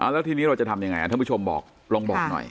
แล้วทีนี้เราจะทำยังไงท่านผู้ชมบอกลองบอกหน่อย